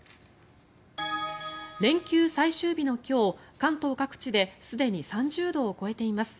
連休最終日の今日関東各地ですでに３０度を超えています。